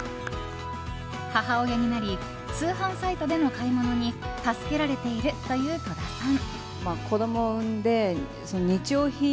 母親になり通販サイトでの買い物に助けられているという戸田さん。